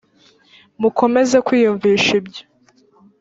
mukomeze kwiyumvisha ibyo